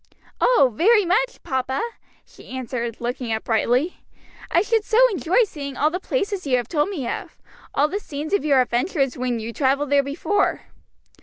"Oh, very much, papa!" she answered, looking up brightly; "I should so enjoy seeing all the places you have told me of, all the scenes of your adventures when you travelled there before."